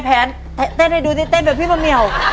เต้นต้องเอาไปดู